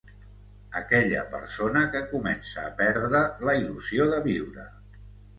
Aquella persona que comença a perdre la il·lusió de viure.